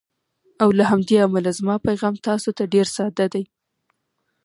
او له همدې امله زما پیغام تاسو ته ډېر ساده دی: